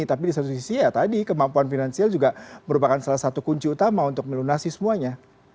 tapi di satu sisi ya tadi kemampuan finansial juga merupakan salah satu kunci utama untuk melunasi semuanya